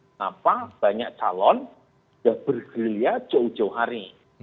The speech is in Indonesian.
kenapa banyak calon yang bergerilya jauh jauh hari